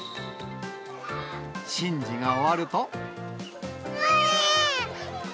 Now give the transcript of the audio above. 神事が終わると。